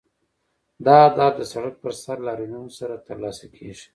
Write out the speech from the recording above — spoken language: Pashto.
دا اهداف د سړک پر سر لاریونونو سره ترلاسه کیږي.